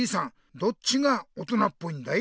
どっちが大人っぽいんだい？